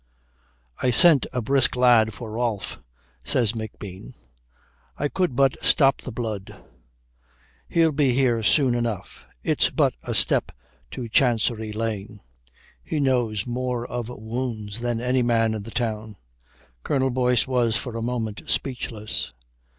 "I sent a brisk lad for Rolfe," says McBean. "I could but stop the blood. He'll be here soon enough. It's but a step to Chancery Lane. He knows more of wounds than any man in the town." Colonel Boyce was for a moment speechless.